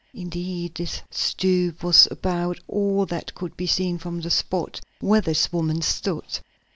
Indeed, this stoop was about all that could be seen from the spot where this woman stood.